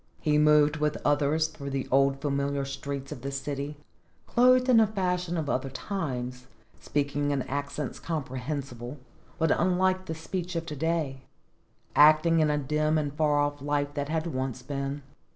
He moved with others through the old familiar streets of the city, clothed in a fashion of other times, speaking in accents comprehensible but unlike the speech of to day, acting in a dim and far off life that had once been.